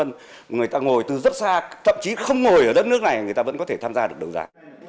người ta ngồi từ rất xa thậm chí không ngồi ở đất nước này người ta vẫn có thể tham gia được đấu giá